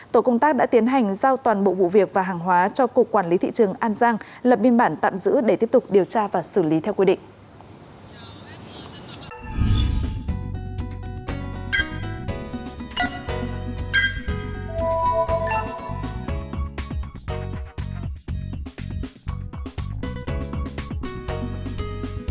tổ công tác đã tiến hành giao toàn bộ vụ việc và hàng hóa cho cục quản lý thị trường an giang lập viên bản tạm giữ để tiếp tục điều tra và xử lý theo quy định